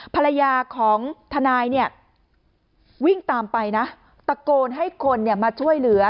ภรรยาของทนายเนี่ยวิ่งตามไปนะตะโกนให้คนมาช่วยเหลือ